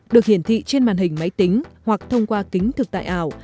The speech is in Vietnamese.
được hiển thị trên màn hình máy tính hoặc thông qua kính thực tại ảo